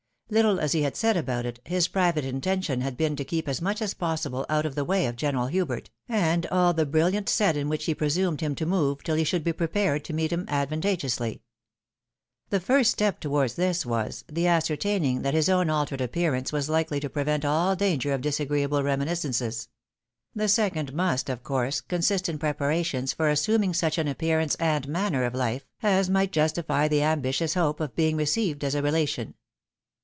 Little as he had said about it, his private intention }iad been to keep as much as possible out of the way of General Hubert, and all the brilhant set in wliich he presumed him to move, till he should be prepared to meet him advantageously. The first step towards this was, the ascertaining that his own altered appearance was likely to prevent all danger of dis agTeeable reminiscences ; the second must, of course, consist in preparations for assuming such an appearance and manner of life as might justify the ambitious hope of being received as a relation.